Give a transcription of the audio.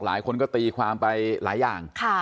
หลายคนก็ตีความไปหลายอย่าง